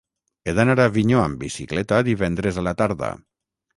He d'anar a Avinyó amb bicicleta divendres a la tarda.